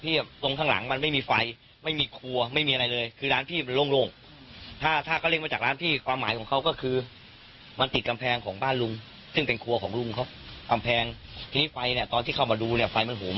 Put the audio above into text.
ทีนี้ไฟเนี่ยตอนที่เข้ามาดูเนี่ยไฟมันห่มข้างฝาหมดแล้ว